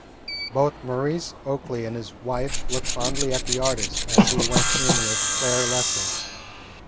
Both Maurice Oakley and his wife looked fondly at the artist as he went in with Claire Lessing.